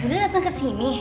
kau datang ke sini